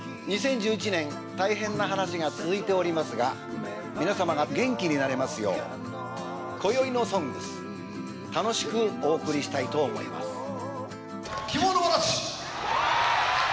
２０１１年大変な話が続いておりますが皆様が元気になれますよう今宵の「ＳＯＮＧＳ」楽しくお送りしたいと思います